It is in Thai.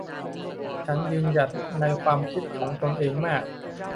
ฉันยืนหยัดในความคิดของตนเองมาก